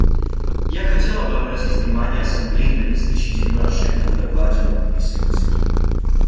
Я хотела бы обратить внимание Ассамблеи на незначительную ошибку в докладе на английском языке.